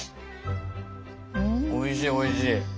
おいしいおいしい。